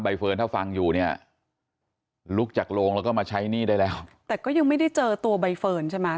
เฟิร์นถ้าฟังอยู่เนี่ยลุกจากโรงแล้วก็มาใช้หนี้ได้แล้วแต่ก็ยังไม่ได้เจอตัวใบเฟิร์นใช่ไหม